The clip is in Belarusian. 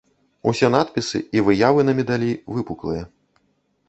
Усе надпісы і выявы на медалі выпуклыя.